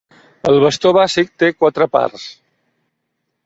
El bastó bàsic té quatre parts.